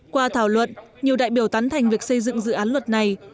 qua thảo luận nhiều đại biểu tán thành việc xây dựng dự án luật này